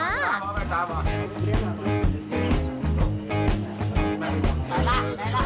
ได้ล่ะ